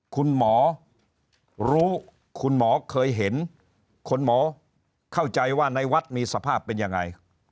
คุณหมอรู้คุณหมอเคยเห็นคุณหมอเข้าใจว่าในวัดมีสภาพเป็นยังไง